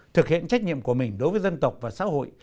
thực hiện trách nhiệm của mình đối với dân tộc và xã hội